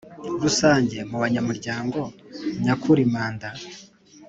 Rusange mu banyamurango nyakuri Manda